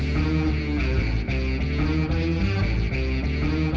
beb semangat beb